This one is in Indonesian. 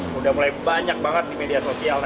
sudah mulai banyak banget di media sosial